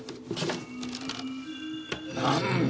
なんだ？